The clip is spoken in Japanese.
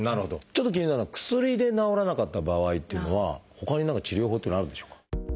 ちょっと気になるのは薬で治らなかった場合っていうのはほかに何か治療法っていうのはあるんでしょうか？